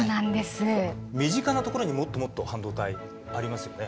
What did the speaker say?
身近なところにもっともっと半導体ありますよね。